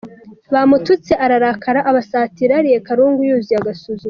Bamututse ararakara abasatira yariye Karungu yuzuye agasuzuguro.